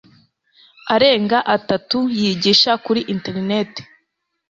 arenga atatu yigisha kuri interineti